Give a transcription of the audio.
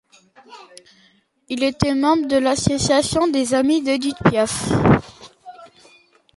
Il était membre de l’Association des Amis d’Édith Piaf.